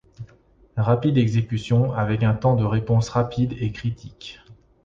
Rapide exécution avec un temps de réponse rapide est critique.